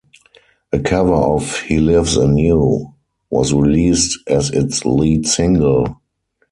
A cover of "He Lives in You", was released as its lead single.